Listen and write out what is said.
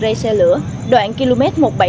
rây xe lửa đoạn km một trăm ba mươi ba